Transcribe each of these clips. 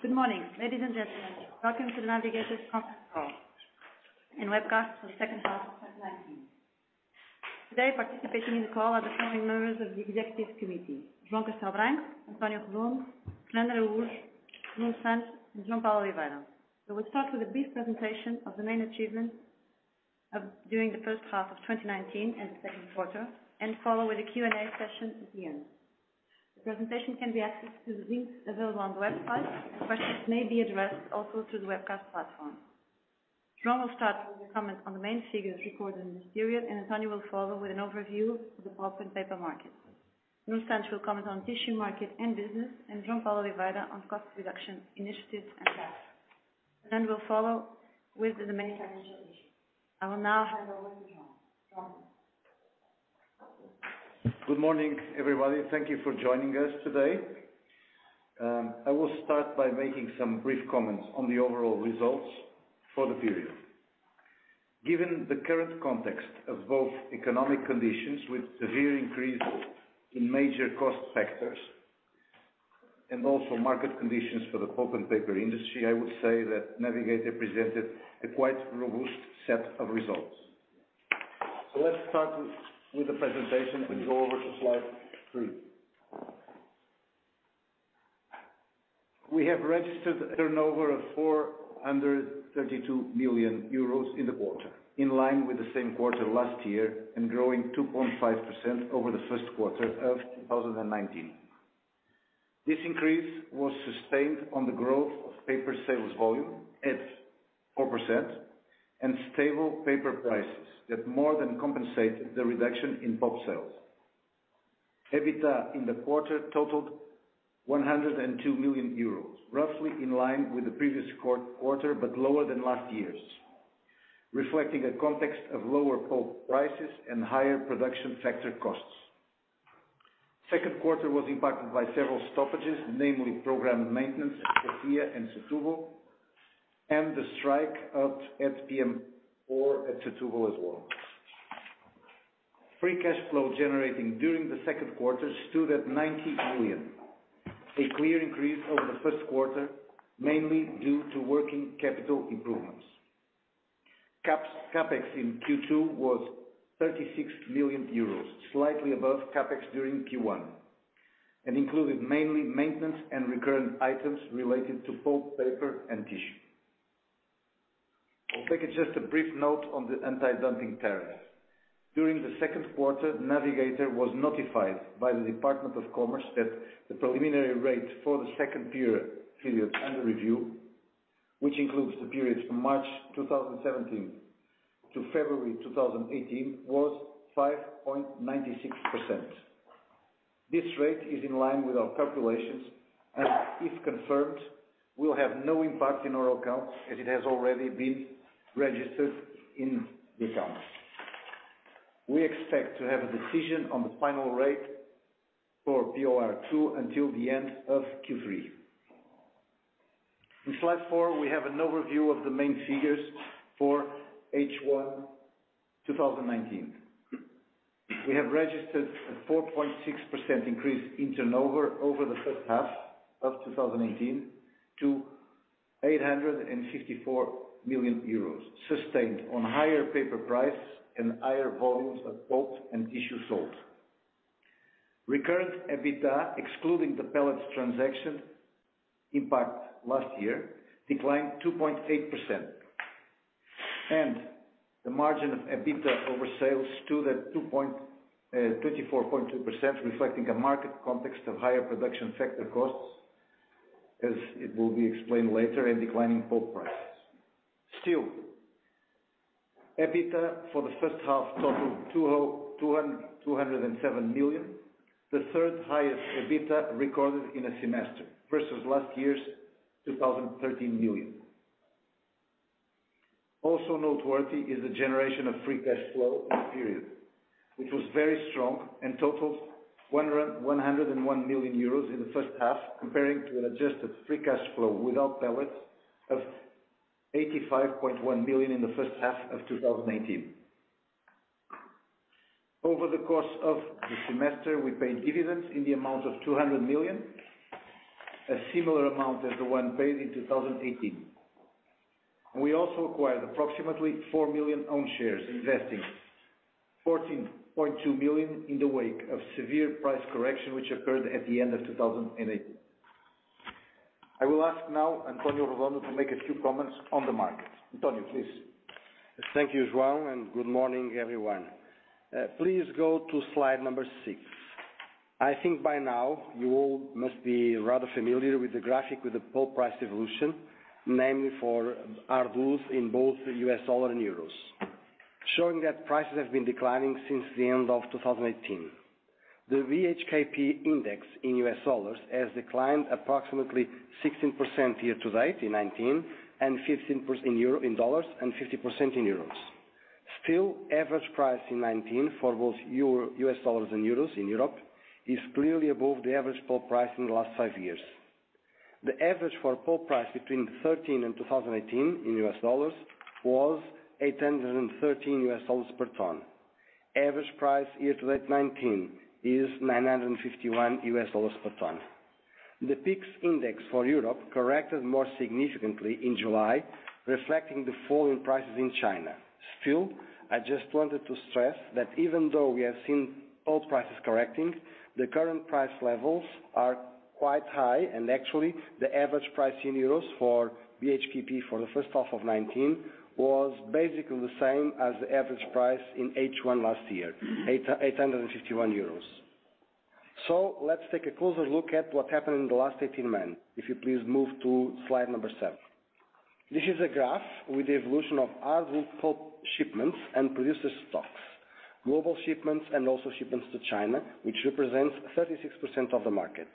Good morning, ladies and gentlemen. Welcome to The Navigator Company's call and webcast for the second half of 2019. Today, participating in the call are the following members of the Executive Committee, João Castello Branco, António Redondo, Fernando Sousa, Nuno Santos, and João Paulo Oliveira. We'll start with a brief presentation of the main achievements during the first half of 2019 and the second quarter, and follow with a Q&A session at the end. The presentation can be accessed through the link available on the website, and questions may be addressed also to the webcast platform. João will start with a comment on the main figures recorded in this period, and António will follow with an overview of the pulp and paper market. Nuno Santos will comment on tissue market and business, and João Paulo Oliveira on cost reduction initiatives and CapEx. We'll follow with the main financial issues. I will now hand over to João. João? Good morning, everybody. Thank you for joining us today. I will start by making some brief comments on the overall results for the period. Given the current context of both economic conditions with severe increase in major cost factors and also market conditions for the pulp and paper industry, I would say that Navigator presented a quite robust set of results. Let's start with the presentation and go over to slide three. We have registered a turnover of 432 million euros in the quarter, in line with the same quarter last year and growing 2.5% over the first quarter of 2019. This increase was sustained on the growth of paper sales volume at 4% and stable paper prices that more than compensated the reduction in pulp sales. EBITDA in the quarter totaled 102 million euros, roughly in line with the previous quarter, lower than last year's, reflecting a context of lower pulp prices and higher production factor costs. Second quarter was impacted by several stoppages, namely programmed maintenance at Cacia and Setúbal, the strike at PM4 at Setúbal as well. Free cash flow generating during the second quarter stood at 90 million. A clear increase over the first quarter, mainly due to working capital improvements. CapEx in Q2 was 36 million euros, slightly above CapEx during Q1, included mainly maintenance and recurrent items related to pulp, paper and tissue. I'll take just a brief note on the antidumping tariffs. During the second quarter, Navigator was notified by the Department of Commerce that the preliminary rate for the second period under review, which includes the period from March 2017 to February 2018, was 5.96%. This rate is in line with our calculations and if confirmed, will have no impact in our accounts as it has already been registered in the accounts. We expect to have a decision on the final rate for POR2 until the end of Q3. In slide four, we have an overview of the main figures for H1 2019. We have registered a 4.6% increase in turnover over the first half of 2018 to €864 million, sustained on higher paper price and higher volumes of pulp and tissue sold. Recurrent EBITDA, excluding the pellets transaction impact last year, declined 2.8%, and the margin of EBITDA over sales stood at 24.2%, reflecting a market context of higher production factor costs, as it will be explained later, and declining pulp prices. Still, EBITDA for the first half totaled 207 million, the third highest EBITDA recorded in a semester versus last year's 213 million. Noteworthy is the generation of free cash flow in the period, which was very strong and totaled 101 million euros in the first half, comparing to an adjusted free cash flow without pellets of 85.1 million in the first half of 2018. Over the course of the semester, we paid dividends in the amount of 200 million, a similar amount as the one paid in 2018. We also acquired approximately 4 million own shares, investing 14.2 million in the wake of severe price correction, which occurred at the end of 2018. I will ask now António Redondo to make a few comments on the market. António, please. Thank you, João, and good morning, everyone. Please go to slide number six. I think by now you all must be rather familiar with the graphic with the pulp price evolution, namely for our views in both U.S. dollar and euros, showing that prices have been declining since the end of 2018. The BHKP index in U.S. dollars has declined approximately 16% year to date in 2019, and 15% in U.S. dollars and 15% in euros. Still, average price in 2019 for both U.S. dollars and euros in Europe is clearly above the average pulp price in the last five years. The average for pulp price between 2013 and 2018 in U.S. dollars was $813 per ton. Average price year-to-date 2019 is $951 per ton. The BHKP index for Europe corrected more significantly in July, reflecting the fall in prices in China. I just wanted to stress that even though we have seen pulp prices correcting, the current price levels are quite high, and actually, the average price in euros for BHKP for the first half of 2019 was basically the same as the average price in H1 last year, 851 euros. Let's take a closer look at what happened in the last 18 months. If you please move to slide number seven. This is a graph with the evolution of our wood pulp shipments and producer stocks. Global shipments and also shipments to China, which represents 36% of the market.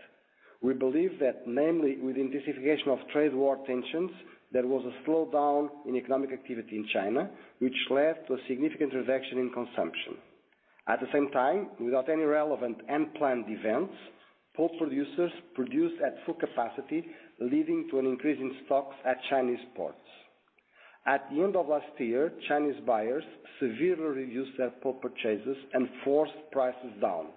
We believe that namely with intensification of trade war tensions, there was a slowdown in economic activity in China, which led to a significant reduction in consumption. At the same time, without any relevant and planned events, pulp producers produced at full capacity, leading to an increase in stocks at Chinese ports. At the end of last year, Chinese buyers severely reduced their pulp purchases and forced prices down.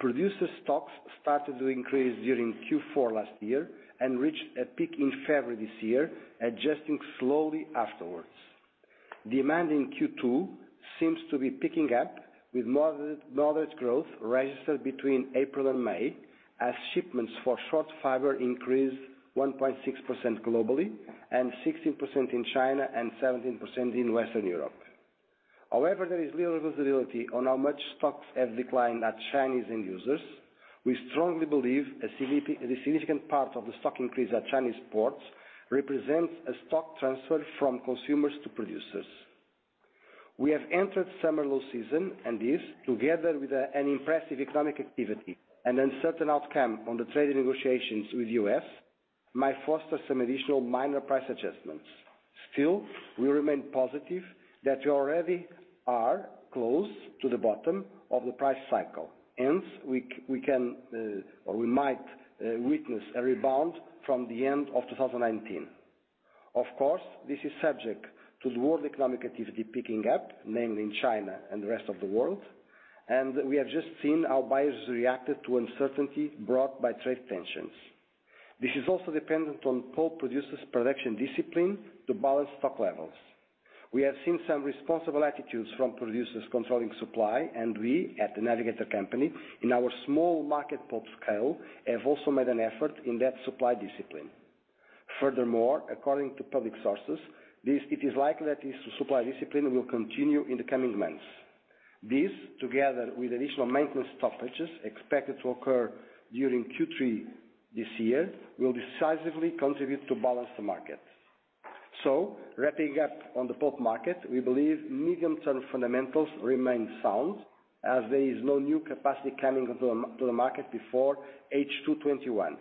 Producer stocks started to increase during Q4 last year and reached a peak in February this year, adjusting slowly afterwards. Demand in Q2 seems to be picking up with moderate growth registered between April and May, as shipments for short fiber increased 1.6% globally and 16% in China and 17% in Western Europe. There is little visibility on how much stocks have declined at Chinese end users. We strongly believe a significant part of the stock increase at Chinese ports represents a stock transfer from consumers to producers. We have entered summer low season, this, together with an impressive economic activity and uncertain outcome on the trade negotiations with U.S., might foster some additional minor price adjustments. We remain positive that we already are close to the bottom of the price cycle, hence we might witness a rebound from the end of 2019. This is subject to the world economic activity picking up, namely in China and the rest of the world, we have just seen how buyers reacted to uncertainty brought by trade tensions. This is also dependent on pulp producers' production discipline to balance stock levels. We have seen some responsible attitudes from producers controlling supply, we, at The Navigator Company, in our small market pulp scale, have also made an effort in that supply discipline. Furthermore, according to public sources, it is likely that this supply discipline will continue in the coming months. This, together with additional maintenance stoppages expected to occur during Q3 this year, will decisively contribute to balance the market. Wrapping up on the pulp market, we believe medium-term fundamentals remain sound as there is no new capacity coming to the market before H2 2021.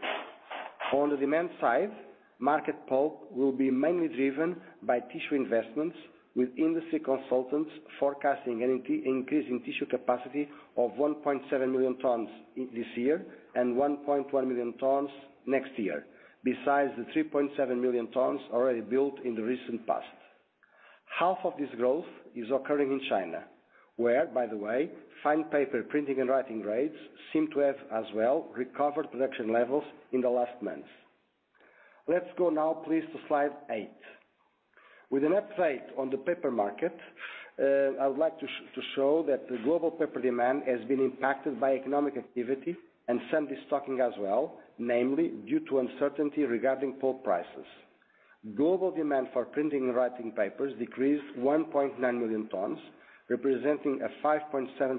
On the demand side, market pulp will be mainly driven by tissue investments, with industry consultants forecasting an increase in tissue capacity of 1.7 million tons this year and 1.1 million tons next year, besides the 3.7 million tons already built in the recent past. Half of this growth is occurring in China, where, by the way, fine paper printing and writing grades seem to have as well recovered production levels in the last months. Let's go now, please, to slide eight. With an update on the paper market, I would like to show that the global paper demand has been impacted by economic activity and some destocking as well, namely due to uncertainty regarding pulp prices. Global demand for printing and writing papers decreased 1.9 million tons, representing a 5.7%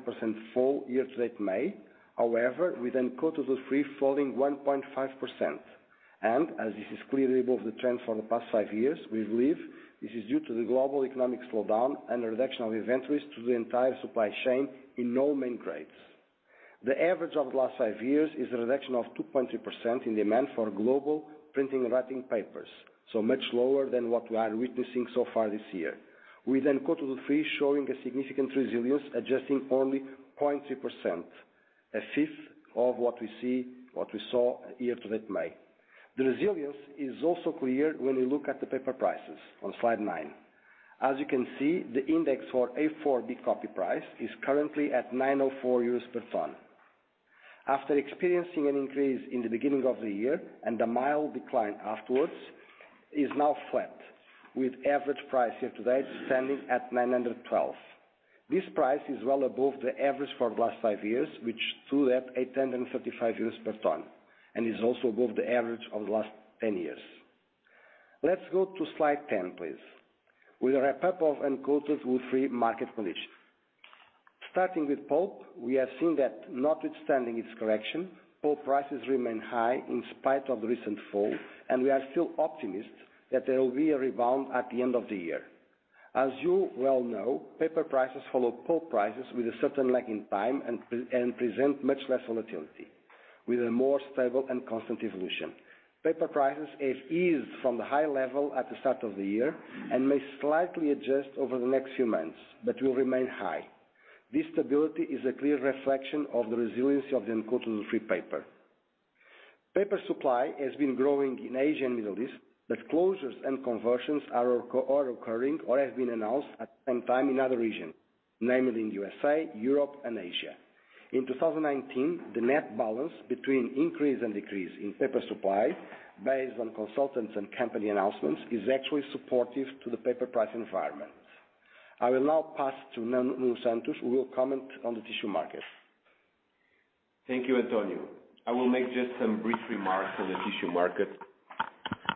fall year-to-date May. With uncoated woodfree falling 1.5%. As this is clearly above the trend for the past five years, we believe this is due to the global economic slowdown and the reduction of inventories to the entire supply chain in all main grades. The average of the last five years is a reduction of 2.3% in demand for global printing and writing papers, so much lower than what we are witnessing so far this year, with uncoated woodfree showing a significant resilience, adjusting only 0.3%, a fifth of what we saw year-to-date May. The resilience is also clear when we look at the paper prices on slide nine. As you can see, the index for A4 B-copy price is currently at 904 euros per ton. After experiencing an increase in the beginning of the year and a mild decline afterwards, it is now flat, with average price year-to-date standing at 912. This price is well above the average for the last five years, which stood at 835 euros per ton and is also above the average of the last 10 years. Let's go to slide 10, please, with a wrap-up of uncoated woodfree market conditions. Starting with pulp, we have seen that notwithstanding its correction, pulp prices remain high in spite of the recent fall, and we are still optimistic that there will be a rebound at the end of the year. As you well know, paper prices follow pulp prices with a certain lag in time and present much less volatility, with a more stable and constant evolution. Paper prices have eased from the high level at the start of the year and may slightly adjust over the next few months, but will remain high. This stability is a clear reflection of the resiliency of the uncoated woodfree paper. Paper supply has been growing in Asia and Middle East, but closures and conversions are occurring or have been announced at the same time in other regions, namely in U.S.A., Europe, and Asia. In 2019, the net balance between increase and decrease in paper supply based on consultants and company announcements, is actually supportive to the paper price environment. I will now pass to Nuno Santos, who will comment on the tissue market. Thank you, António. I will make just some brief remarks on the tissue market,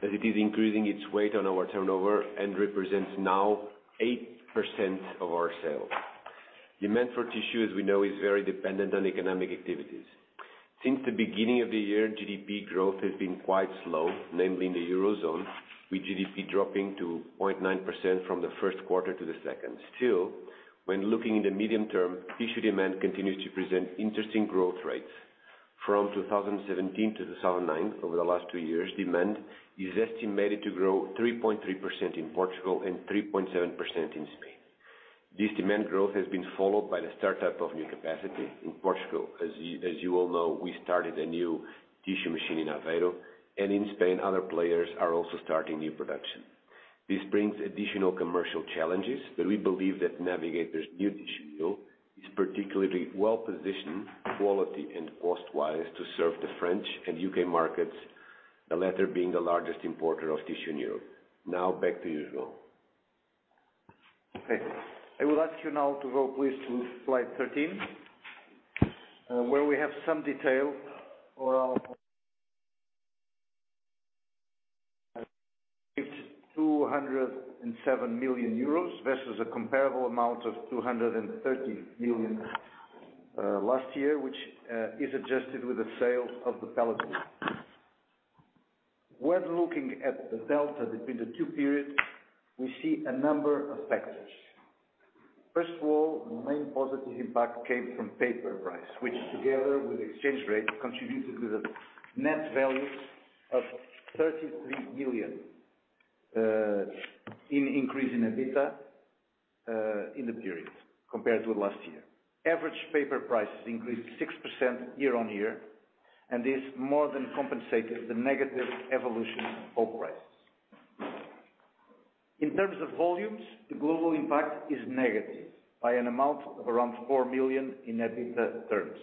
as it is increasing its weight on our turnover and represents now 8% of our sales. Demand for tissue, as we know, is very dependent on economic activities. Since the beginning of the year, GDP growth has been quite slow, namely in the Eurozone, with GDP dropping to 0.9% from the first quarter to the second. When looking in the medium term, tissue demand continues to present interesting growth rates. From 2017 to 2019, over the last two years, demand is estimated to grow 3.3% in Portugal and 3.7% in Spain. This demand growth has been followed by the startup of new capacity in Portugal. As you all know, we started a new tissue machine in Aveiro, and in Spain, other players are also starting new production. This brings additional commercial challenges, but we believe that Navigator's new tissue is particularly well-positioned, quality and cost-wise, to serve the French and U.K. markets, the latter being the largest importer of tissue in Europe. Now back to you, João. Okay. I will ask you now to go please to slide 13, where we have some detail for our 207 million euros versus a comparable amount of 230 million last year, which is adjusted with the sales of the pellets. When looking at the delta between the two periods, we see a number of factors. First of all, the main positive impact came from paper price, which, together with exchange rate, contributed to the net value of 33 million in increase in EBITDA in the period compared to last year. Average paper prices increased 6% year-on-year, this more than compensated the negative evolution of pulp price. In terms of volumes, the global impact is negative by an amount of around 4 million in EBITDA terms,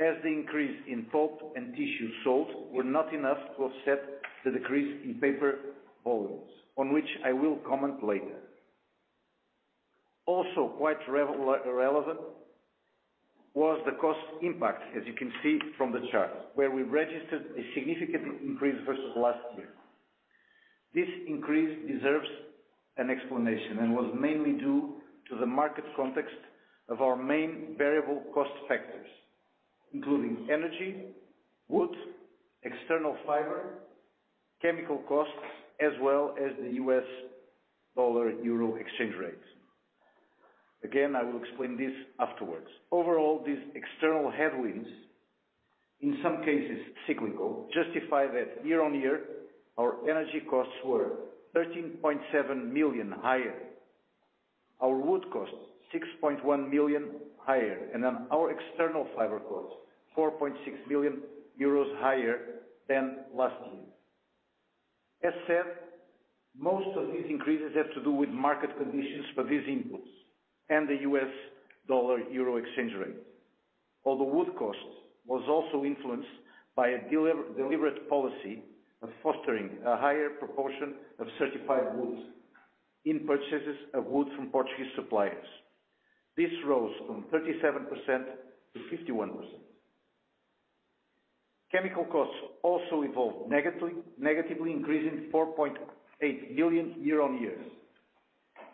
as the increase in pulp and tissue sold were not enough to offset the decrease in paper volumes, on which I will comment later. Quite relevant was the cost impact, as you can see from the chart, where we registered a significant increase versus last year. This increase deserves an explanation and was mainly due to the market context of our main variable cost factors, including energy, wood, external fiber, chemical costs, as well as the U.S. dollar-euro exchange rate. I will explain this afterwards. These external headwinds, in some cases cyclical, justify that year-on-year, our energy costs were 13.7 million higher, our wood cost 6.1 million higher, and our external fiber cost 4.6 million euros higher than last year. As said, most of these increases have to do with market conditions for these inputs and the US dollar-euro exchange rate. Although wood cost was also influenced by a deliberate policy of fostering a higher proportion of certified wood in purchases of wood from Portuguese suppliers. This rose from 37% to 51%. Chemical costs also evolved negatively, increasing 4.8 million year-on-year,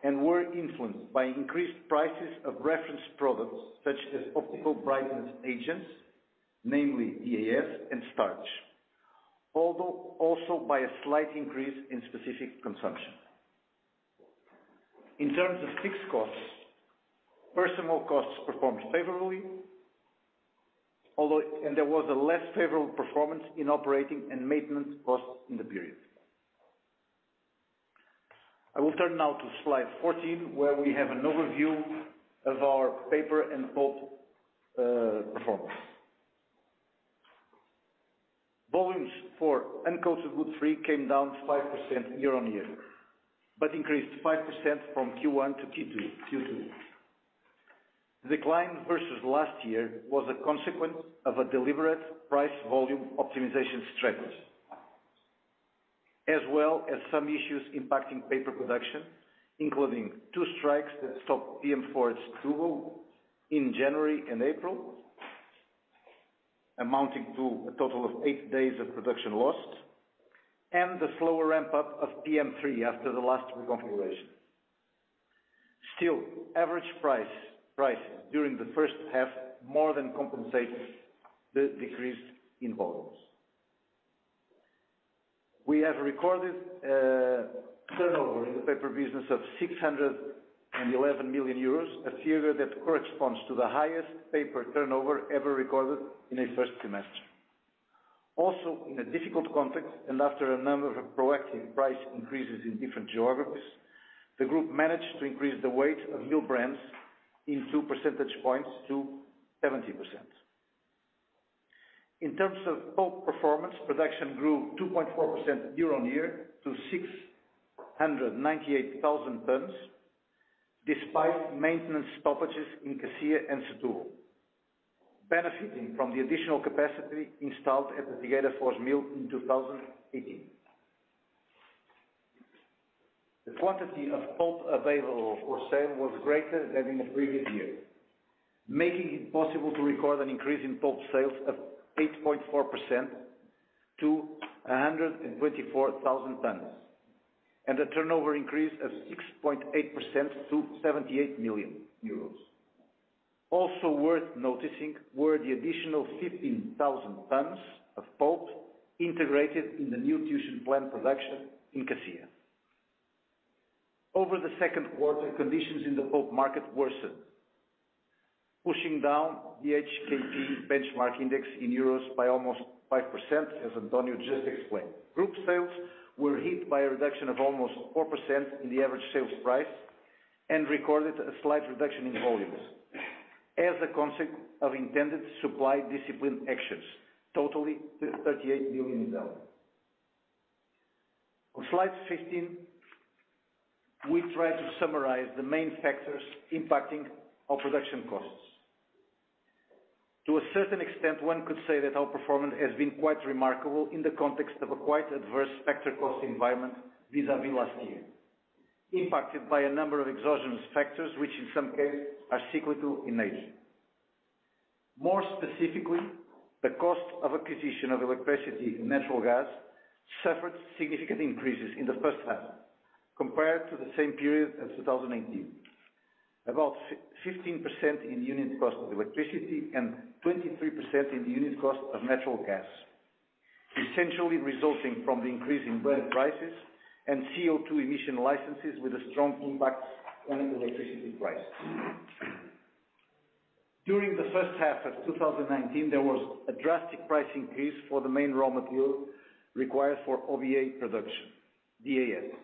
and were influenced by increased prices of reference products such as optical brightening agents, namely DAS and starch, although also by a slight increase in specific consumption. In terms of fixed costs, personal costs performed favorably, and there was a less favorable performance in operating and maintenance costs in the period. I will turn now to slide 14, where we have an overview of our paper and pulp performance. Volumes for uncoated woodfree came down 5% year-on-year, but increased 5% from Q1 to Q2. The decline versus last year was a consequence of a deliberate price volume optimization strategy, as well as some issues impacting paper production, including two strikes that stopped PM4 at Setúbal in January and April, amounting to a total of eight days of production lost, and the slower ramp-up of PM3 after the last reconfiguration. Still, average price during the first half more than compensates the decrease in volumes. We have recorded turnover in the paper business of €611 million, a figure that corresponds to the highest paper turnover ever recorded in a first semester. In a difficult context, and after a number of proactive price increases in different geographies. The group managed to increase the weight of new brands in two percentage points to 70%. In terms of pulp performance, production grew 2.4% year-on-year to 698,000 tons, despite maintenance stoppages in Cacia and Setúbal, benefiting from the additional capacity installed at the Figueira da Foz mill in 2018. The quantity of pulp available for sale was greater than in the previous year, making it possible to record an increase in pulp sales of 8.4% to 124,000 tons, and a turnover increase of 6.8% to 78 million euros. Also worth noticing were the additional 15,000 tons of pulp integrated in the new tissue plant production in Cacia. Over the second quarter, conditions in the pulp market worsened, pushing down the BHKP benchmark index in EUR by almost 5%, as António just explained. Group sales were hit by a reduction of almost 4% in the average sales price and recorded a slight reduction in volumes as a consequence of intended supply discipline actions totaling 38 million. On slide 15, we try to summarize the main factors impacting our production costs. To a certain extent, one could say that our performance has been quite remarkable in the context of a quite adverse factor cost environment vis-à-vis last year, impacted by a number of exogenous factors which in some cases are cyclical in nature. More specifically, the cost of acquisition of electricity and natural gas suffered significant increases in the first half compared to the same period as 2018. About 15% in unit cost of electricity and 23% in unit cost of natural gas, essentially resulting from the increase in Brent prices and CO2 emission allowances with a strong impact on electricity prices. During the first half of 2019, there was a drastic price increase for the main raw material required for OBA production, DAS.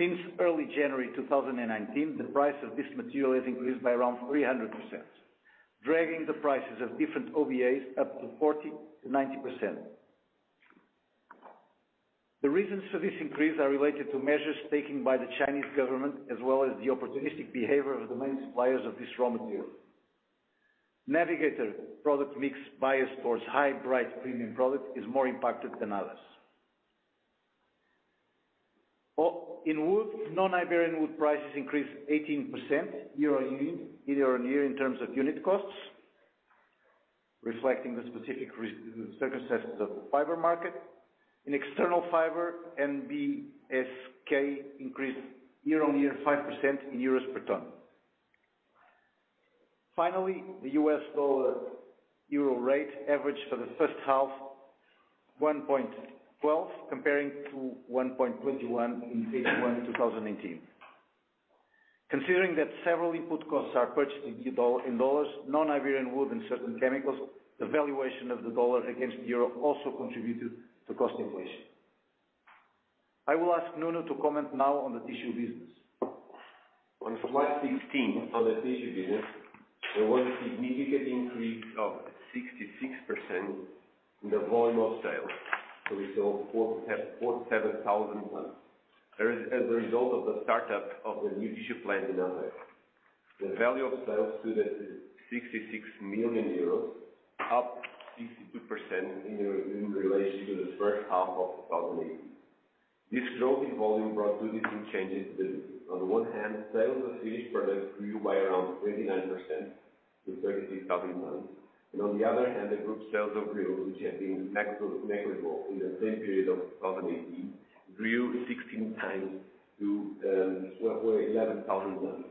Since early January 2019, the price of this material has increased by around 300%, dragging the prices of different OBAs up to 40%-90%. The reasons for this increase are related to measures taken by the Chinese government as well as the opportunistic behavior of the main suppliers of this raw material. Navigator product mix biased towards high bright premium product is more impacted than others. In wood, non-Iberian wood prices increased 18% year-on-year in terms of unit costs, reflecting the specific circumstances of the fiber market. In external fiber, NBSK increased year-on-year 5% in EUR per ton. Finally, the U.S. dollar-euro rate averaged for the first half 1.12, comparing to 1.21 in Q1 2018. Considering that several input costs are purchased in U.S. dollars, non-Iberian wood and certain chemicals, the valuation of the U.S. dollar against EUR also contributed to cost inflation. I will ask Nuno to comment now on the tissue business. On slide 16 for the tissue business, there was a significant increase of 66% in the volume of sales, so we sold 47,000 tons tons, as a result of the startup of the new tissue plant in Aveiro. The value of sales stood at 66 million euros, up 62% in relation to the first half of 2018. This growth in volume brought two different changes to the business. On the one hand, sales of finished products grew by around 29% to 33,000 tons. On the other hand, the group sales of reels, which had been negligible in the same period of 2018, grew 16 times to 11,000 tons.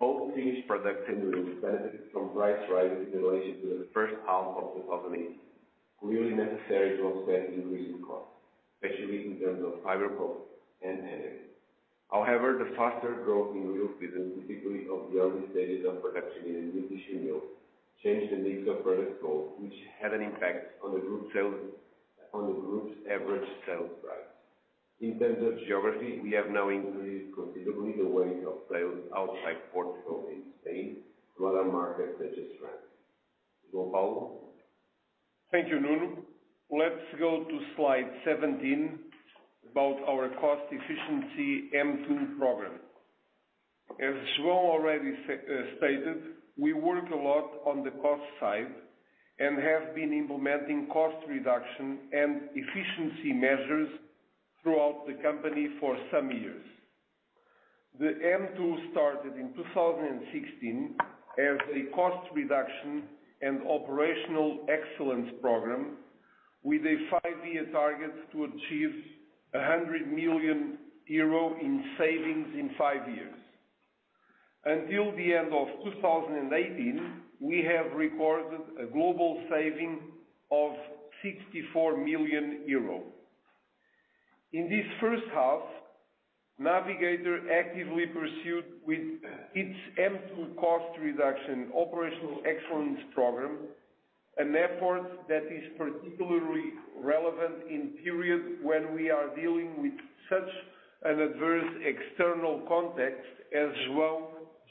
Both finished products and reels benefited from price rises in relation to the first half of 2018, clearly necessary to offset increasing costs, especially in terms of fiber pulp and energy. The faster growth in reels business, typically of the early stages of production in a new tissue mill, changed the mix of product sold, which had an impact on the group's average sales price. In terms of geography, we have now increased considerably the weight of sales outside Portugal and Spain to other markets such as France. João Paulo? Thank you, Nuno. Let's go to slide 17 about our cost efficiency M2 program. As João already stated, we work a lot on the cost side and have been implementing cost reduction and efficiency measures throughout the company for some years. The M2 started in 2016 as a cost reduction and operational excellence program with a five-year target to achieve 100 million euro in savings in five years. Until the end of 2018, we have recorded a global saving of 64 million euro. In this first half, Navigator actively pursued with its M2 cost reduction operational excellence program. An effort that is particularly relevant in period when we are dealing with such an adverse external context as João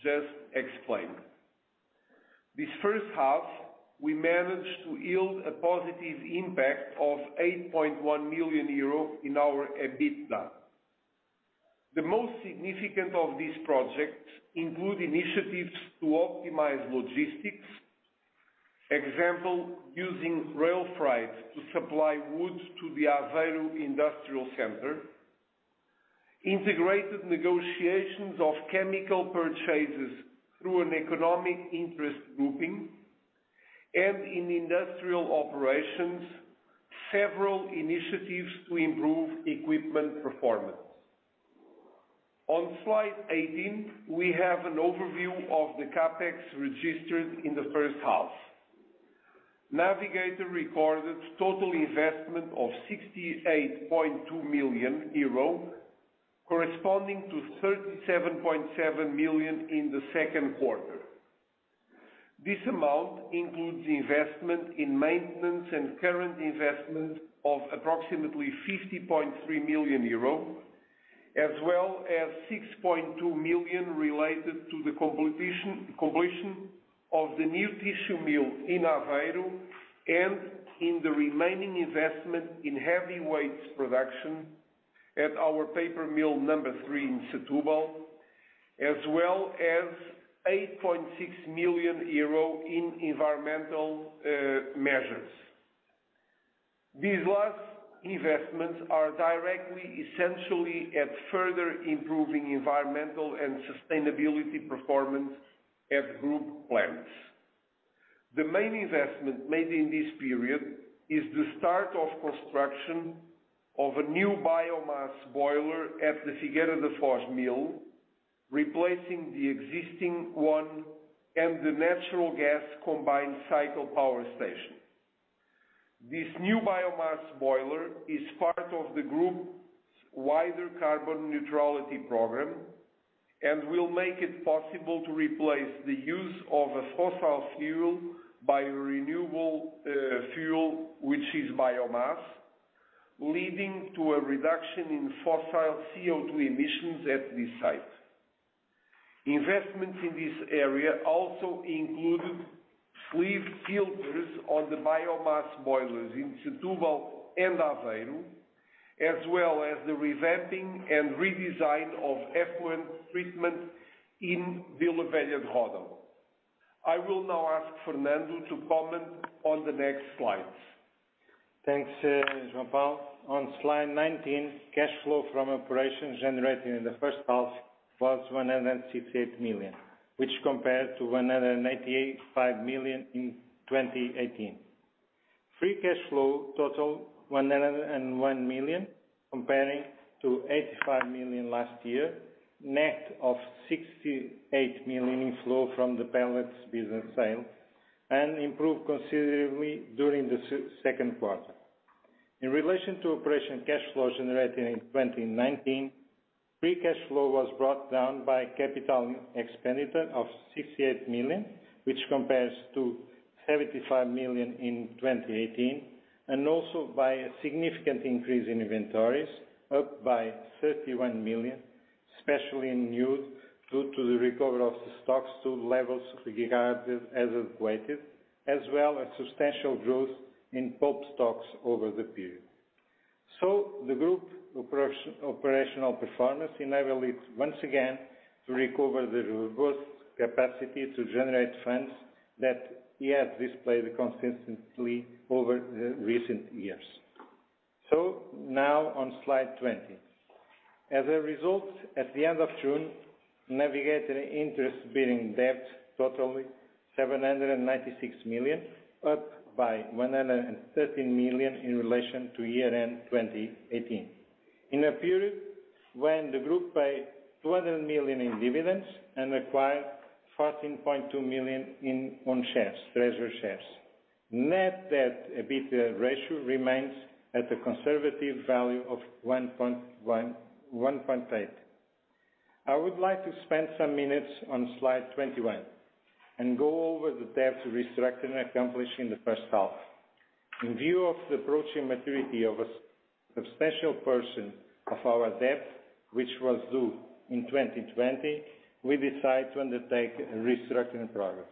just explained. This first half, we managed to yield a positive impact of 8.1 million euro in our EBITDA. The most significant of these projects include initiatives to optimize logistics. Example, using rail freight to supply wood to the Aveiro industrial center, integrated negotiations of chemical purchases through an economic interest grouping, and in industrial operations, several initiatives to improve equipment performance. On slide 18, we have an overview of the CapEx registered in the first half. Navigator recorded total investment of 68.2 million euro corresponding to 37.7 million in the second quarter. This amount includes investment in maintenance and current investment of approximately €50.3 million, as well as 6.2 million related to the completion of the new tissue mill in Aveiro, and in the remaining investment in heavyweights production at our paper mill number 3 in Setúbal, as well as €8.6 million in environmental measures. These last investments are directly essentially at further improving environmental and sustainability performance at group plants. The main investment made in this period is the start of construction of a new biomass boiler at the Figueira da Foz mill, replacing the existing one and the natural gas combined cycle power station. This new biomass boiler is part of the group's wider carbon neutrality program and will make it possible to replace the use of a fossil fuel by renewable fuel, which is biomass, leading to a reduction in fossil CO2 emissions at this site. Investments in this area also included sleeve filters on the biomass boilers in Setúbal and Aveiro, as well as the revamping and redesign of effluent treatment in Vila Velha de Ródão. I will now ask Fernando to comment on the next slides. Thanks, João Paulo. On slide 19, cash flow from operations generated in the first half was 168 million, which compared to 185 million in 2018. Free cash flow total 101 million comparing to 85 million last year, net of 68 million inflow from the pellets business sale, and improved considerably during the second quarter. In relation to operation cash flows generated in 2019, free cash flow was brought down by capital expenditure of 68 million, which compares to 75 million in 2018, and also by a significant increase in inventories, up by 31 million, especially in news due to the recovery of the stocks to levels regarded as adequate, as well as substantial growth in pulp stocks over the period. The group operational performance enable it once again to recover the robust capacity to generate funds that it has displayed consistently over the recent years. Now on slide 20. As a result, at the end of June, The Navigator Company interest-bearing debt totaling 796 million, up by 113 million in relation to year-end 2018. In a period when the group paid 200 million in dividends and acquired 14.2 million in own shares, treasury shares. Net debt EBITDA ratio remains at the conservative value of 1.8. I would like to spend some minutes on slide 21 and go over the debt restructuring accomplished in the first half. In view of the approaching maturity of a substantial portion of our debt, which was due in 2020, we decided to undertake a restructuring process.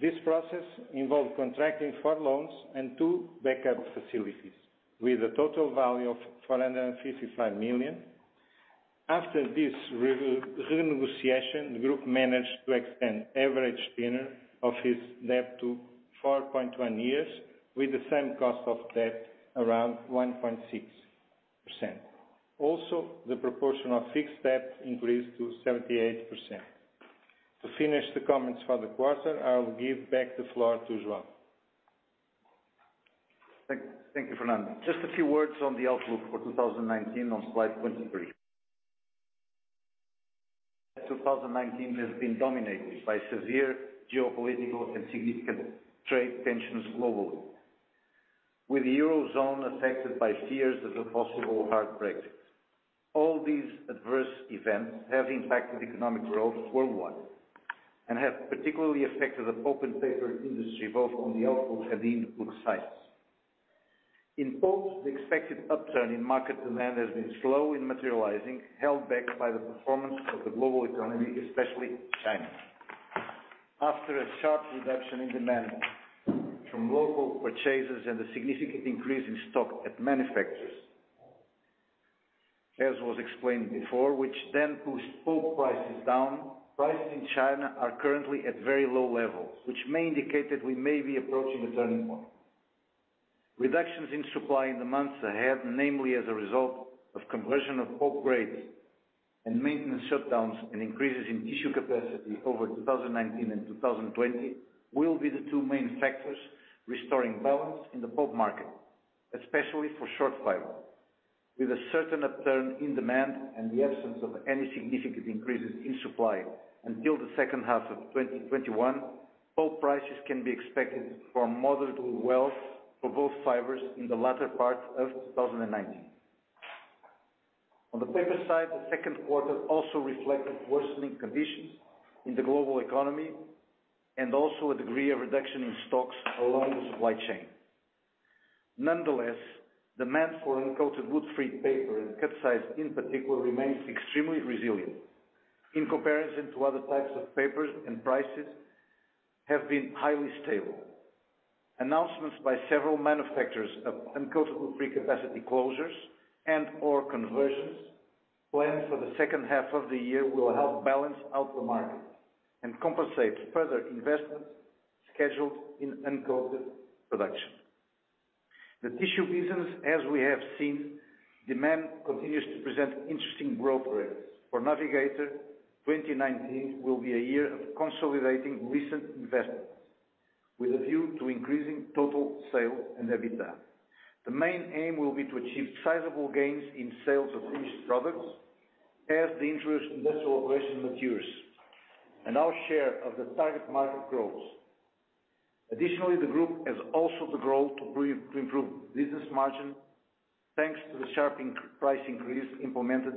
This process involved contracting four loans and two backup facilities with a total value of 455 million. After this renegotiation, the group managed to extend average tenure of its debt to 4.1 years with the same cost of debt around 1.6%. Also, the proportion of fixed debt increased to 78%. To finish the comments for the quarter, I will give back the floor to João. Thank you, Fernando. Just a few words on the outlook for 2019 on slide 23. 2019 has been dominated by severe geopolitical and significant trade tensions globally. With the Eurozone affected by fears of a possible hard Brexit. All these adverse events have impacted economic growth worldwide, and have particularly affected the pulp and paper industry, both on the output and input sides. In pulp, the expected upturn in market demand has been slow in materializing, held back by the performance of the global economy, especially China. After a sharp reduction in demand from local purchasers and a significant increase in stock at manufacturers, as was explained before, which then pushed pulp prices down, prices in China are currently at very low levels, which may indicate that we may be approaching a turning point. Reductions in supply in the months ahead, namely as a result of conversion of pulp grade and maintenance shutdowns and increases in tissue capacity over 2019 and 2020, will be the two main factors restoring balance in the pulp market, especially for short fiber. With a certain upturn in demand and the absence of any significant increases in supply until the second half of 2021, pulp prices can be expected for moderate growth for both fibers in the latter part of 2019. On the paper side, the second quarter also reflected worsening conditions in the global economy and also a degree of reduction in stocks along the supply chain. Nonetheless, demand for uncoated woodfree paper and cut size in particular remains extremely resilient in comparison to other types of papers, and prices have been highly stable. Announcements by several manufacturers of uncoated woodfree capacity closures and/or conversions planned for the second half of the year will help balance out the market and compensate further investments scheduled in uncoated production. The tissue business, as we have seen, demand continues to present interesting growth rates. For Navigator, 2019 will be a year of consolidating recent investments with a view to increasing total sales and EBITDA. The main aim will be to achieve sizable gains in sales of finished products as the Inpactus industrial operation matures and our share of the target market grows. Additionally, the group has also the goal to improve business margin, thanks to the sharp price increase implemented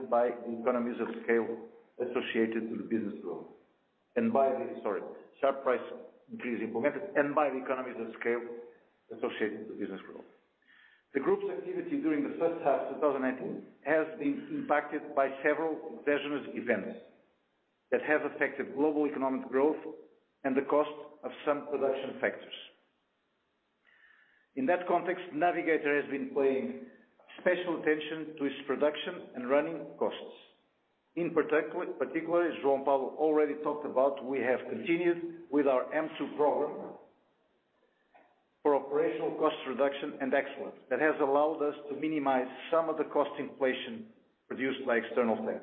and by the economies of scale associated with business growth. The group's activity during the first half of 2019 has been impacted by several exogenous events that have affected global economic growth and the cost of some production factors. In that context, Navigator has been paying special attention to its production and running costs. In particular, as João Paulo already talked about, we have continued with our M2 program for operational cost reduction and excellence. That has allowed us to minimize some of the cost inflation produced by external factors.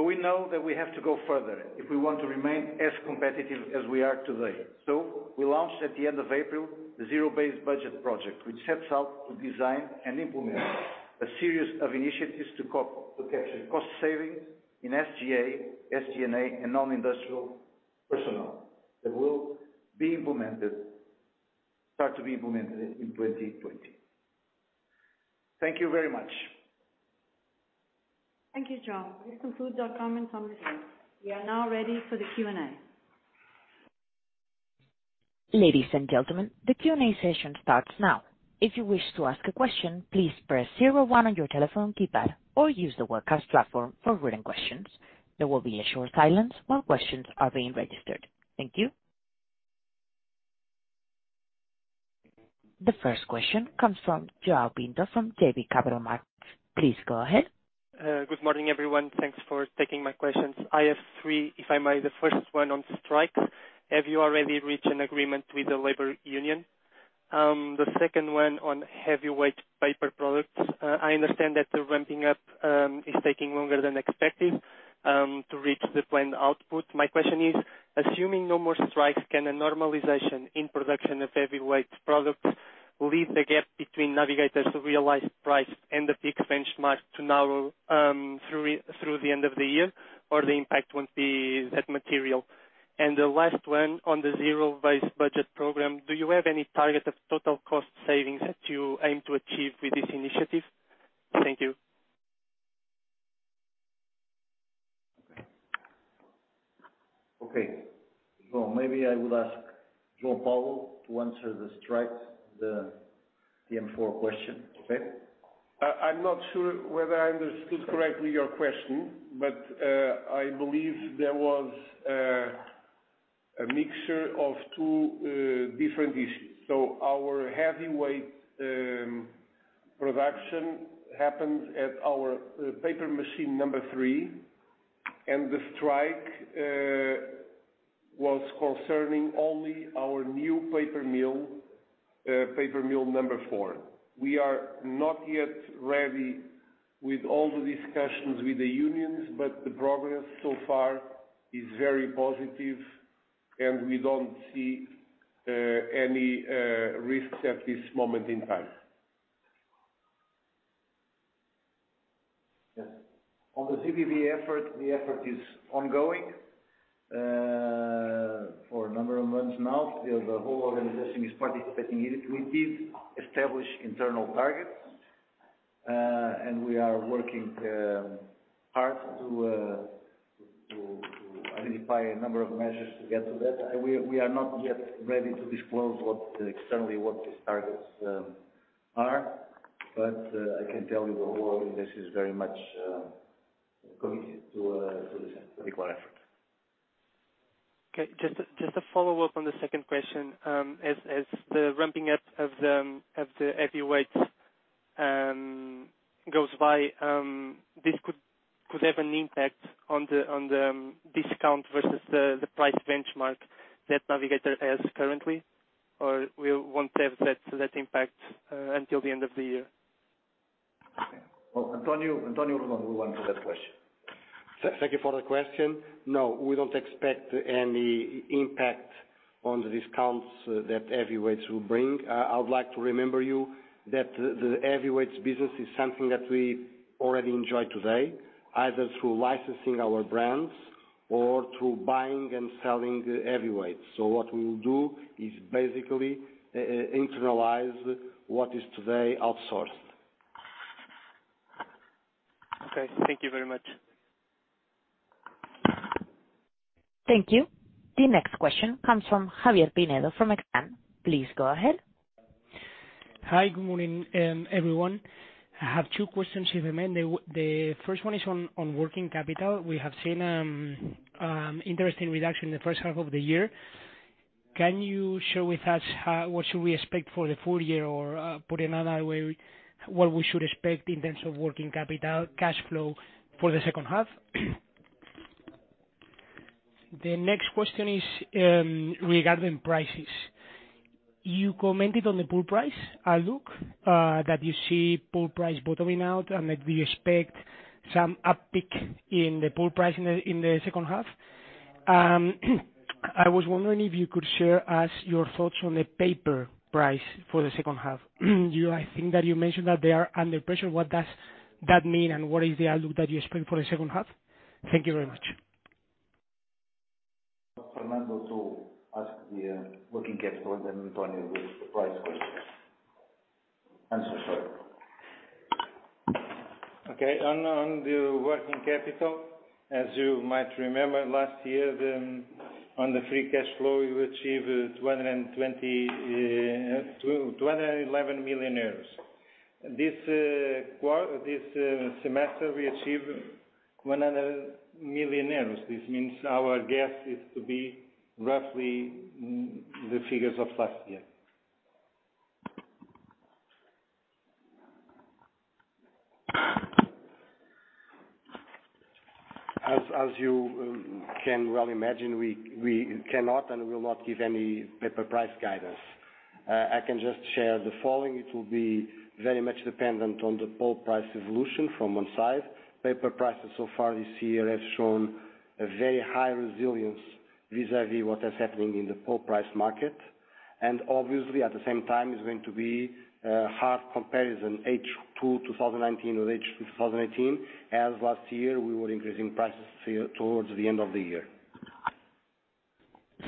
We know that we have to go further if we want to remain as competitive as we are today. We launched at the end of April the zero-based budget project, which sets out to design and implement a series of initiatives to capture cost savings in SG&A and non-industrial personnel that will start to be implemented in 2020. Thank you very much. Thank you, João. This concludes our comments on the results. We are now ready for the Q&A. Ladies and gentlemen, the Q&A session starts now. If you wish to ask a question, please press 01 on your telephone keypad or use the webcast platform for written questions. There will be a short silence while questions are being registered. Thank you. The first question comes from João Pinto from JB Capital Markets. Please go ahead. Good morning, everyone. Thanks for taking my questions. I have three, if I may. The first one on strikes. Have you already reached an agreement with the labor union? The second one on heavyweight paper products. I understand that the ramping up is taking longer than expected to reach the planned output. My question is, assuming no more strikes, can a normalization in production of heavyweight products leave the gap between Navigator's realized price and the peak benchmark to narrow through the end of the year or the impact won't be that material? The last one on the Zero-Based Budget program. Do you have any target of total cost savings that you aim to achieve with this initiative? Thank you. Okay. Maybe I would ask João Paulo to answer the strikes, the PM4 question. Okay? I'm not sure whether I understood correctly your question, but I believe there was a mixture of two different issues. Our heavyweight production happens at our paper machine number 3, and the strike was concerning only our new paper mill number 4. We are not yet ready with all the discussions with the unions, but the progress so far is very positive, and we don't see any risks at this moment in time. Yes. On the ZBB effort, the effort is ongoing for a number of months now. The whole organization is participating in it. We did establish internal targets, and we are working hard to identify a number of measures to get to that. We are not yet ready to disclose externally what the targets are, but I can tell you the whole organization is very much committed to the required effort. Okay. Just a follow-up on the second question. As the ramping up of the heavyweights goes by, this could have an impact on the discount versus the price benchmark that Navigator has currently, or we won't have that impact until the end of the year? Well, António will answer that question. Thank you for the question. No, we don't expect any impact on the discounts that heavyweights will bring. I would like to remember you that the heavyweights business is something that we already enjoy today, either through licensing our brands or through buying and selling the heavyweight. What we'll do is basically internalize what is today outsourced. Okay. Thank you very much. Thank you. The next question comes from Javier Pinedo from Exane. Please go ahead. Hi, good morning everyone. I have two questions, if I may. The first one is on working capital. We have seen an interesting reduction in the first half of the year. Can you share with us what should we expect for the full year? Put another way, what we should expect in terms of working capital cash flow for the second half? The next question is regarding prices. You commented on the pulp price, a look that you see pulp price bottoming out and that we expect some uptick in the pulp price in the second half. I was wondering if you could share us your thoughts on the paper price for the second half. I think that you mentioned that they are under pressure. What does that mean, and what is the outlook that you expect for the second half? Thank you very much. Fernando to ask the working capital, and then António with the price questions. I'm so sorry. Okay. On the working capital, as you might remember, last year on the free cash flow, we achieved 211 million euros. This semester, we achieved 100 million euros. This means our guess is to be roughly the figures of last year. As you can well imagine, we cannot and will not give any paper price guidance. I can just share the following. It will be very much dependent on the pulp price evolution from one side. Paper prices so far this year have shown a very high resilience vis-à-vis what is happening in the pulp price market. Obviously, at the same time, it's going to be a hard comparison, H2 2019 with H2 2018, as last year, we were increasing prices towards the end of the year.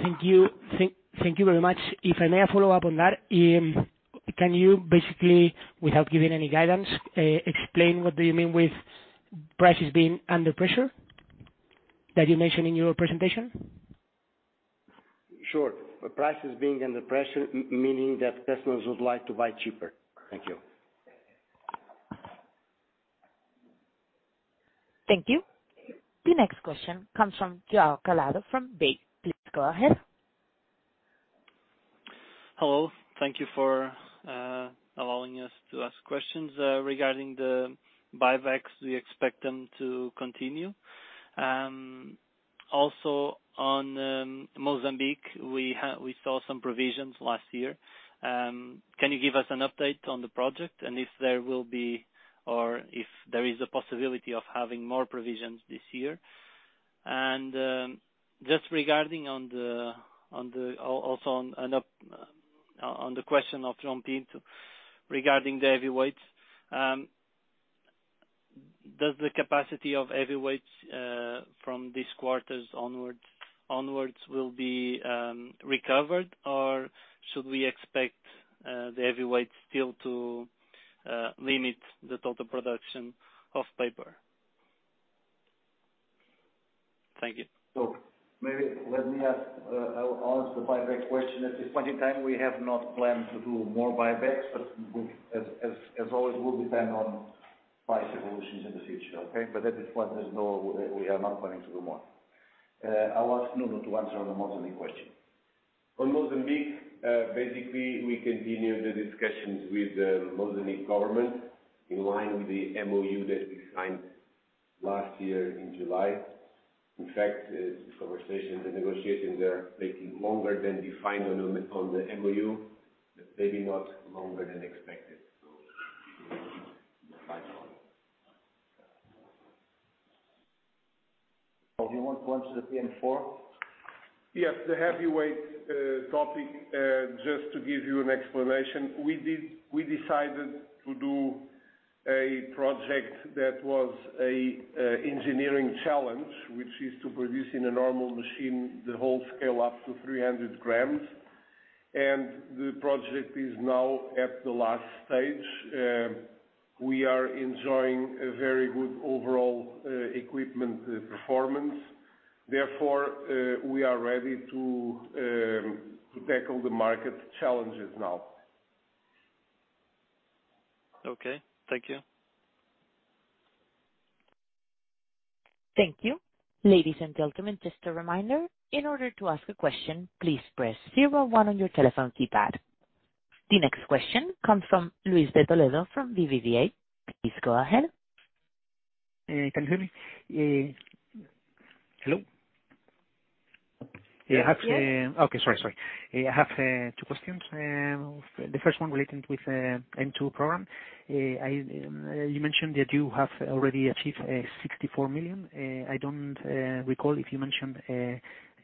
Thank you. Thank you very much. If I may follow up on that, can you basically, without giving any guidance, explain what do you mean with prices being under pressure that you mentioned in your presentation? Sure. Prices being under pressure, meaning that customers would like to buy cheaper. Thank you. Thank you. The next question comes from João Calado from BIG. Please go ahead. Hello. Thank you for allowing us to ask questions. Regarding the buybacks, we expect them to continue. On Mozambique, we saw some provisions last year. Can you give us an update on the project and if there will be, or if there is a possibility of having more provisions this year? Just regarding on the question of João Pinto regarding the heavyweights, does the capacity of heavyweights from this quarters onwards will be recovered, or should we expect the heavyweight still to limit the total production of paper? Thank you. Maybe let me ask. I'll answer the buyback question. At this point in time, we have not planned to do more buybacks, but as always, will depend on price evolutions in the future. Okay. At this point, we are not planning to do more. I'll ask Nuno to answer on the Mozambique question. On Mozambique, basically, we continue the discussions with the Mozambique government in line with the MoU that we signed last year in July. In fact, the conversations and negotiating there are taking longer than defined on the MoU, but maybe not longer than expected. We will keep you advised on it. Oh, do you want to go on to the PM4? Yes, the heavyweight topic. Just to give you an explanation, we decided to do a project that was an engineering challenge, which is to produce in a normal machine the whole scale up to 300 grams. The project is now at the last stage. We are enjoying a very good overall equipment performance. Therefore, we are ready to tackle the market challenges now. Okay. Thank you. Thank you. Ladies and gentlemen, just a reminder, in order to ask a question, please press 01 on your telephone keypad. The next question comes from Luis de Toledo from BBVA. Please go ahead. Can you hear me? Hello? Yes. Okay. Sorry. I have two questions. The first one relating with M2 program. You mentioned that you have already achieved 64 million. I don't recall if you mentioned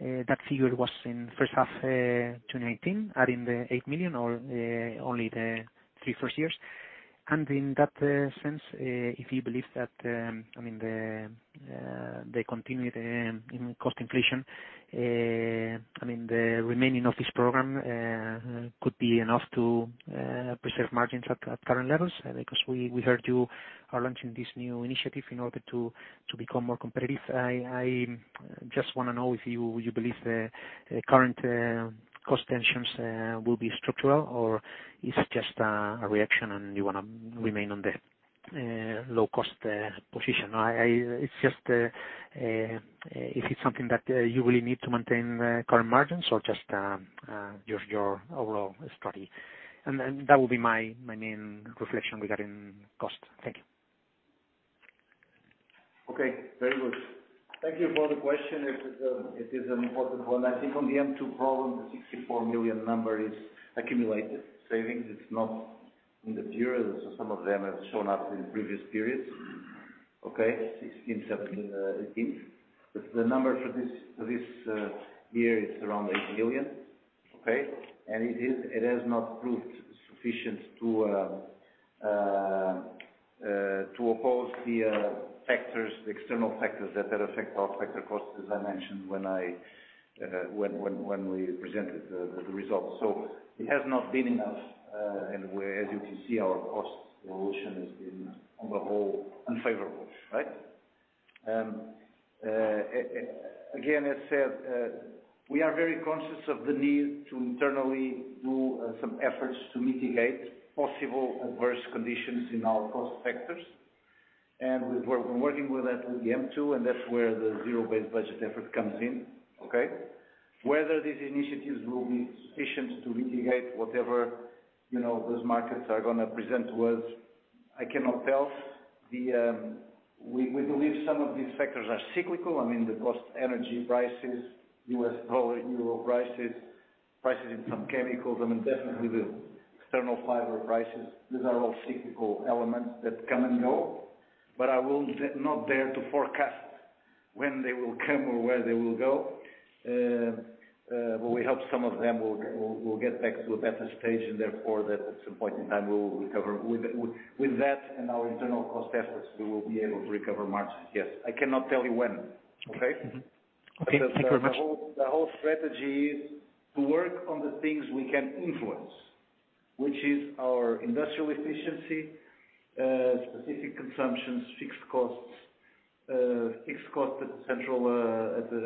that figure was in first half 2019, adding the 8 million or only the three first years. In that sense, if you believe that, they continue the cost inflation, the remaining of this program could be enough to preserve margins at current levels. We heard you are launching this new initiative in order to become more competitive. I just want to know if you believe the current cost tensions will be structural, or it's just a reaction and you want to remain on the low-cost position. If it's something that you really need to maintain current margins or just your overall strategy. That will be my main reflection regarding cost. Thank you. Okay. Very good. Thank you for the question. It is an important one. I think on the M2 program, the 64 million number is accumulated savings. It's not in the year, so some of them have shown up in previous periods. Okay. 2016, 2017, 2018. The number for this year is around EUR 8 million. Okay. It has not proved sufficient to oppose the external factors that affect our factor costs, as I mentioned when we presented the results. It has not been enough, and as you can see, our cost evolution has been on the whole unfavorable. Right. Again, as said, we are very conscious of the need to internally do some efforts to mitigate possible adverse conditions in our cost sectors. We're working with that with the M2, and that's where the zero-based budget effort comes in. Okay. Whether these initiatives will be sufficient to mitigate whatever those markets are going to present to us, I cannot tell. We believe some of these factors are cyclical. I mean, the cost energy prices, US dollar, Euro prices in some chemicals, and definitely the external fiber prices. These are all cyclical elements that come and go. I will not dare to forecast when they will come or where they will go. We hope some of them will get back to a better stage and therefore that at some point in time we will recover. With that and our internal cost efforts, we will be able to recover margins. Yes. I cannot tell you when. Okay? Okay. Thank you very much. The whole strategy is to work on the things we can influence, which is our industrial efficiency, specific consumptions, fixed costs at the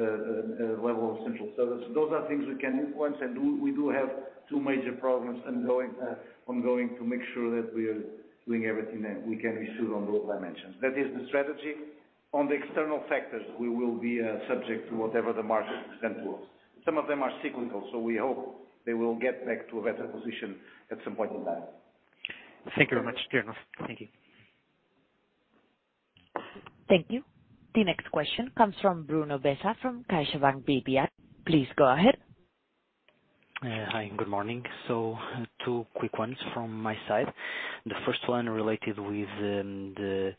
level of central service. Those are things we can influence, and we do have two major problems ongoing, to make sure that we are doing everything that we can be sound on both dimensions. That is the strategy. On the external factors, we will be subject to whatever the market presents to us. Some of them are cyclical, so we hope they will get back to a better position at some point in time. Thank you very much. Cheers. Thank you. Thank you. The next question comes from Bruno Bessa from CaixaBank BPI. Please go ahead. Hi, good morning. Two quick ones from my side. The first one related with the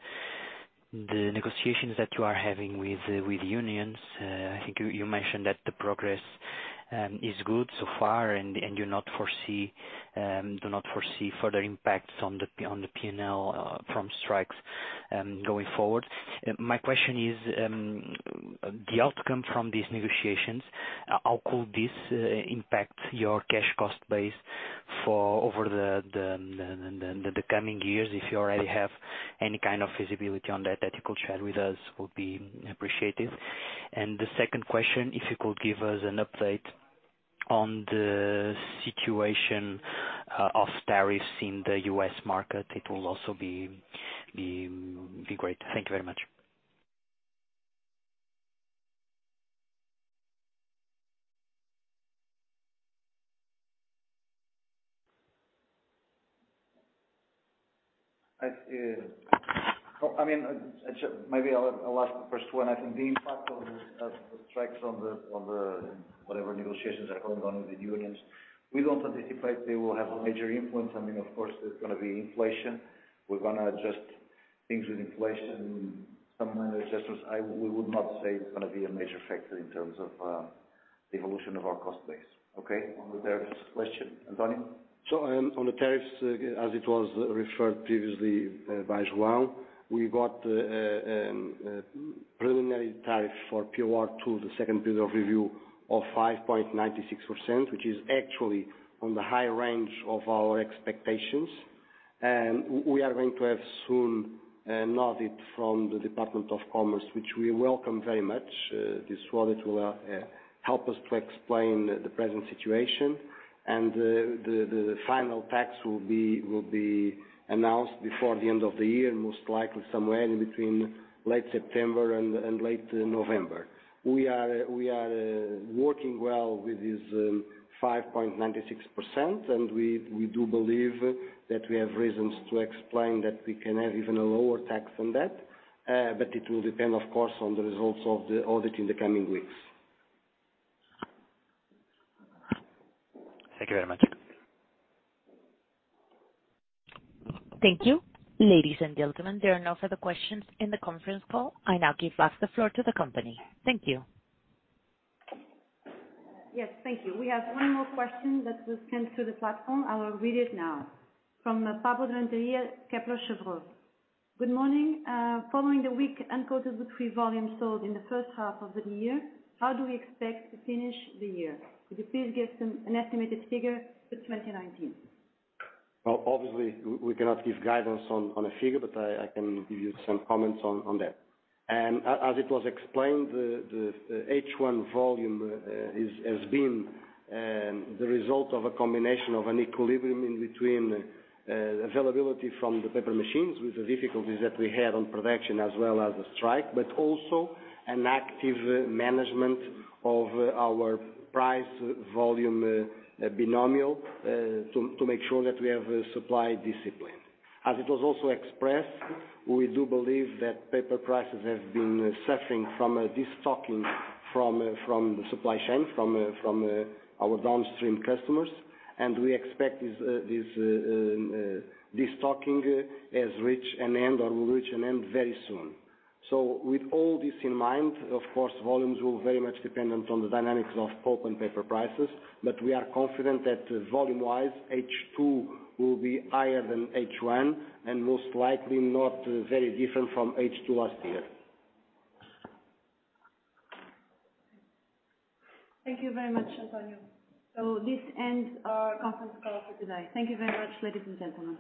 negotiations that you are having with unions. I think you mentioned that the progress is good so far, and you do not foresee further impacts on the P&L from strikes going forward. My question is, the outcome from these negotiations, how could this impact your cash cost base over the coming years? If you already have any kind of visibility on that you could share with us, would be appreciated. The second question, if you could give us an update on the situation of tariffs in the U.S. market, it will also be great. Thank you very much. Maybe I'll ask the first one. I think the impact of the strikes on the whatever negotiations are going on with the unions, we don't anticipate they will have a major influence. Of course, there's going to be inflation. Things with inflation, some adjustments, we would not say it's going to be a major factor in terms of the evolution of our cost base. Okay, on the tariffs question, António? On the tariffs, as it was referred previously by João, we got preliminary tariff for POR2, the second period of review of 5.96%, which is actually on the high range of our expectations. We are going to have soon an audit from the Department of Commerce, which we welcome very much. This audit will help us to explain the present situation, and the final tariff will be announced before the end of the year, most likely somewhere in between late September and late November. We are working well with this 5.96%, and we do believe that we have reasons to explain that we can have even a lower tariff than that, but it will depend, of course, on the results of the audit in the coming weeks. Thank you very much. Thank you. Ladies and gentlemen, there are no further questions in the conference call. I now give back the floor to the company. Thank you. Yes. Thank you. We have one more question that was sent through the platform. I will read it now. From Pablo Renteria, Kepler Cheuvreux. Good morning. Following the weak uncoated woodfree volume sold in the first half of the year, how do we expect to finish the year? Could you please give an estimated figure for 2019? Well, obviously, we cannot give guidance on a figure, but I can give you some comments on that. As it was explained, the H1 volume has been the result of a combination of an equilibrium in between availability from the paper machines with the difficulties that we had on production as well as the strike, but also an active management of our price volume binomial to make sure that we have a supply discipline. As it was also expressed, we do believe that paper prices have been suffering from destocking from the supply chain, from our downstream customers, and we expect destocking has reached an end or will reach an end very soon. With all this in mind, of course, volumes will very much dependent on the dynamics of pulp and paper prices, but we are confident that volume-wise, H2 will be higher than H1 and most likely not very different from H2 last year. Thank you very much, António. This ends our conference call for today. Thank you very much, ladies and gentlemen.